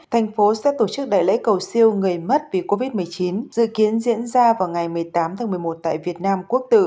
thành phố sẽ tổ chức đại lễ cầu siêu người mất vì covid một mươi chín dự kiến diễn ra vào ngày một mươi tám tháng một mươi một tại việt nam quốc tử